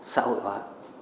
xã hội hóa